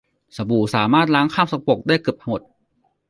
สบู่สามารถล้างคราบสกปรกได้เกือบหมด